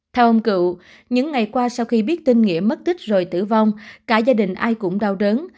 theo ông cựu những ngày qua sau khi biết tin nghĩa mất tích rồi tử vong cả gia đình ai cũng đau đớn